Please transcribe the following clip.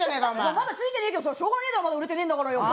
まだついてないけどしょうがないだろまだ売れてないんだから。